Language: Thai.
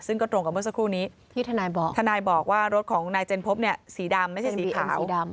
ซึ่งก็ตรงกับเมื่อสักครู่นี้ที่ทนายบอกว่ารถของนายเจนพบสีดำไม่ใช่สีขาว